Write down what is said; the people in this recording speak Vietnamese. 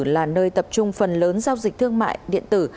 là nơi tập trung phần lớn giao dịch thương mại điện tử